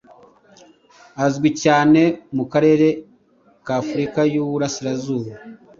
Azwi cyane mu karere k’Afurika y’Uburasirazuba